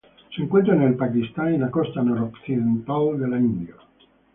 Se encuentra en el Pakistán y la costa noroccidental de la India.